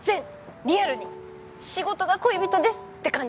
リアルに「仕事が恋人です」って感じ。